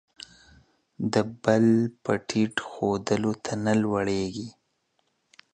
د بل په ټیټ ښودلو، ته نه لوړېږې.